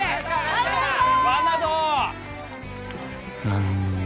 何だ？